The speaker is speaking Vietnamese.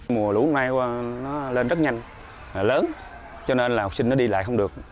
mùa lũ hôm nay nó lên rất nhanh lớn cho nên là học sinh nó đi lại không được